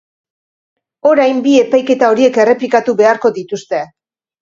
Orain bi epaiketa horiek errepikatu beharko dituzte.